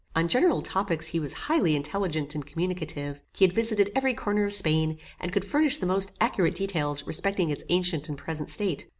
On general topics he was highly intelligent and communicative. He had visited every corner of Spain, and could furnish the most accurate details respecting its ancient and present state.